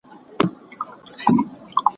په تېرو غاښو مي دام بيرته شلولى